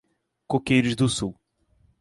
Coqueiros do Sul